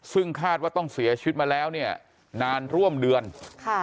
ซึ่งคาดว่าต้องเสียชีวิตมาแล้วเนี่ยนานร่วมเดือน